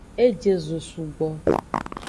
E je zo sugbo.